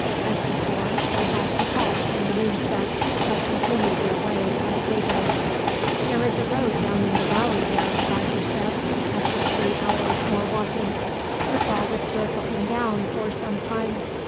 As before, they had to halt when the moon set, but continued their way at daybreak. "There is a road down in the valley there," Roger said, after three hours' more walking. Bathalda stood looking down, for some time.